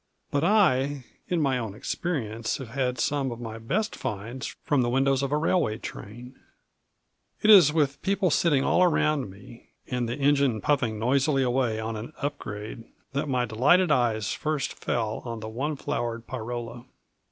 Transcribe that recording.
But I in my own experience have had some of my best finds from the windows of a railway train. It was with people sitting all around me, and the engine puffing noisily away on an up grade, that my delighted eyes first fell on the one flowered pyrola.